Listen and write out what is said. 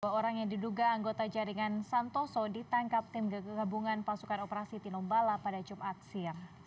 dua orang yang diduga anggota jaringan santoso ditangkap tim gabungan pasukan operasi tinombala pada jumat siang